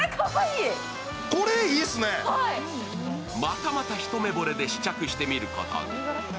またまた一目ぼれで試着してみることに。